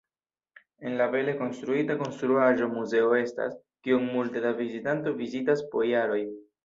En la bele konstruita konstruaĵo muzeo estas, kion multe da vizitanto vizitas po jaroj.